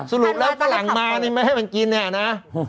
สรุปแล้วฝรั่งมานี่ไม่ให้มันกินเนี่ยนะ